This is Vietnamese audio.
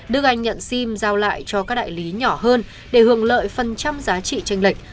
đức anh nhận sim giao lại cho các đại lý nhỏ hơn để hưởng lợi phần trăm giá trị tranh lệch